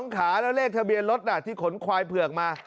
ขาแล้วเลขทะเบียนรถที่ขนควายเผือกมา